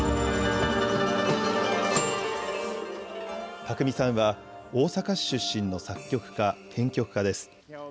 宅見さんは大阪市出身の作曲家・編曲家です。